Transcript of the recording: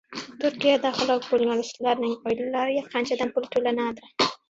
Turkiyada halok bo‘lgan ruslarning oilalariga qanchadan pul to‘lanadi?